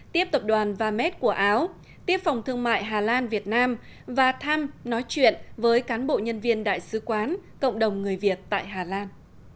tiếp tập đoàn vams của áo tiếp phòng thương mại hà lan việt nam và thăm nói chuyện với cán bộ nhân viên đại sứ quán cộng đồng người việt tại hà lan